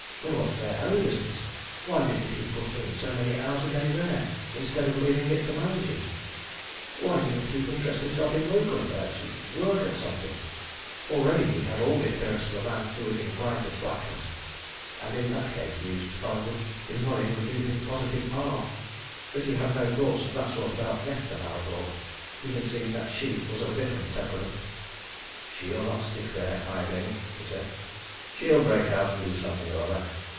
There was their own business why didn't he put in so many hours a day there, instead of leaving it to managers? Why didn't he interest himself in local affairs? work at something? Already he had all the appearance of a man who is inclined to slackness and in that case, mused Collingwood, his money would do him positive harm. But he had no thoughts of that sort about Nesta Mallathorpe: he had seen that she was of a different temperament. "She'll not stick there idling," he said. "She'll break out and do something or other.